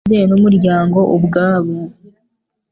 w Ababyeyi n umuryango ubwawo